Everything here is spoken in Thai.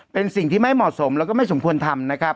เป็นสิ่งที่ไม่เหมาะสมแล้วก็ไม่สมควรทำนะครับ